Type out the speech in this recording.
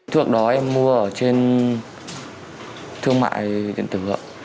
trước đó em mua ở trên thương mại điện tử